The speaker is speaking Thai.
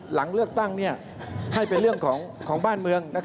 หลังเลือกตั้งให้เป็นเรื่องของบ้านเมือง